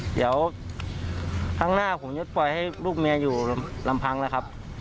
เดี๋ยวข้างหน้าผมยดปล่อยให้ลูกแม่อยู่ลำพังนะครับ